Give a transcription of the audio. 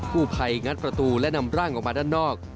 ผู้ภัยงัดประตูและนำร่างออกมาด้านนอก